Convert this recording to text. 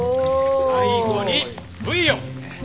最後にブイヨン。